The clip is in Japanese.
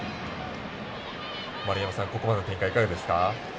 丸山さん、ここまでの展開いかがですか？